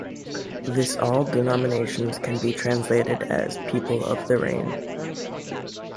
This all denominations can be translated as 'people of the rain'.